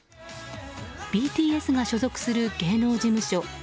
ＢＴＳが所属する芸能事務所